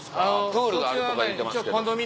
プールがあるとか言うてますけど。